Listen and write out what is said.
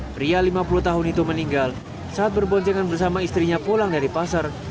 pria lima puluh tahun itu meninggal saat berboncengan bersama istrinya pulang dari pasar